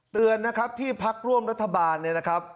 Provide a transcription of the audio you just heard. เตือนนะครับที่ภักด์ร่วมรัฐบาลนะครับ